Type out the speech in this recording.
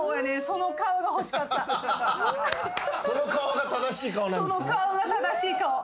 その顔が正しい顔。